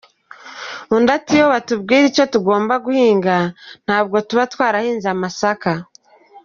Undi ati “Iyo batubwira icyo tugomba guhinga ntabwo tuba twarahinze amasaka.